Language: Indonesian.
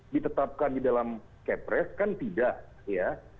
ditetapkan di dalam kepres kan tidak ya